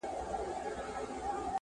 لا د نمرودي زمانې لمبې د اور پاته دي!!